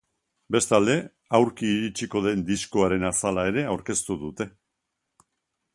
Bestalde, aurki iritsiko den diskoaren azala ere aurkeztu dute.